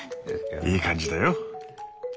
いい感じだよ。